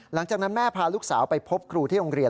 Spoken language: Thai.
หลังจากนั้นแม่พาลูกสาวไปพบครูที่โรงเรียน